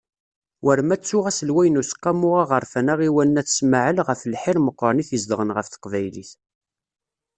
War ma ttuɣ aselway n Useqqamu aɣerfan aɣiwan n At Smaɛel ɣef lḥir meqqren i t-izedɣen ɣef teqbaylit.